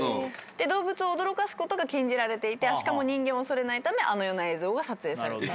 動物を驚かすことが禁じられていてアシカも人間を恐れないためあのような映像が撮影された。